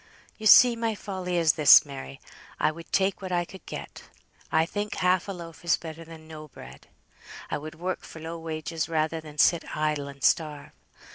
"You see my folly is this, Mary. I would take what I could get; I think half a loaf is better than no bread. I would work for low wages rather than sit idle and starve.